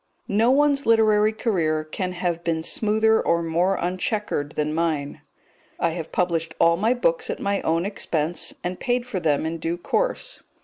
No one's literary career can have been smoother or more unchequered than mine. I have published all my books at my own expense, and paid for them in due course.